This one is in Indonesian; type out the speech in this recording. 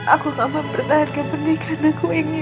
aku gak mau bertahan kependekan aku yang ini pa